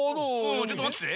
ちょっとまってて。